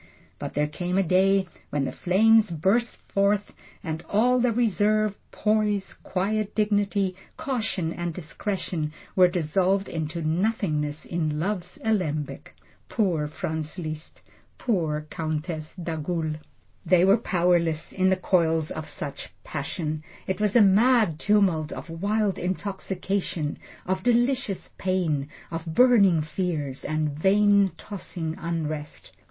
But there came a day when the flames burst forth, and all the reserve, poise, quiet dignity, caution and discretion were dissolved into nothingness in love's alembic. Poor Franz Liszt! Poor Countess d'Agoult! They were powerless in the coils of such a passion. It was a mad tumult of wild intoxication, of delicious pain, of burning fears, and vain, tossing unrest.